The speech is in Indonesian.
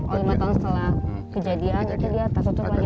oh lima tahun setelah kejadian itu dia tertutup lagi